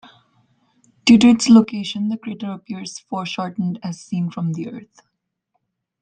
Due to its location, the crater appears foreshortened as seen from the Earth.